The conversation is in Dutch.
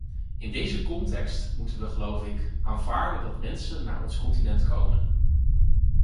In deze context moeten we, geloof ik, aanvaarden dat mensen naar ons continent komen.